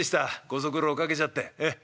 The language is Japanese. ご足労かけちゃってええ。